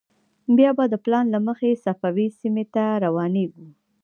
بیا به د پلان له مخې صفوي سیمې ته روانېږو.